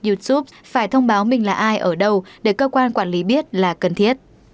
youtube phải thông báo mình là ai ở đâu để cơ quan quản lý biết là cần thiết